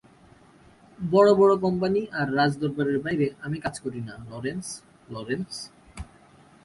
বড় বড় কোম্পানি আর রাজ দরবারের বাইরে আমি কাজ করি না লরেন্স, লরেন্স।